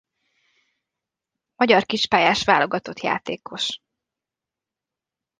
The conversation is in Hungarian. Magyar Kispályás Válogatott játékos.